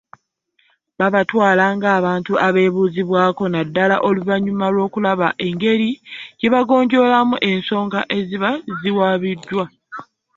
Babatwala ng’abantu abeebuuzibwako naddala oluvannyuma lw’okulaba engeri gye bagonjoolamu ensonga eziba ziwaabiddwa.